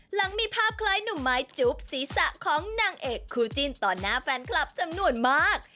หลังมีภาพคล้ายหนุ่มไม้จุ๊บศีรษะของนางเอกคู่จิ้นต่อหน้าแฟนคลับจำนวนมาก